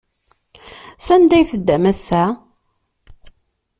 Sanda ay teddam ass-a?